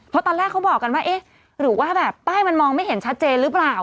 เพราะตอนแรกเขาบอกกันว่าเอ๊ะหรือว่าแบบป้ายมันมองไม่เห็นชัดเจนหรือเปล่า